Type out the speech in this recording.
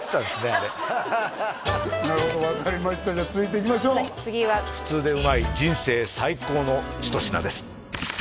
あれなるほど分かりましたじゃあ続いていきましょう次は普通でうまい人生最高の一品です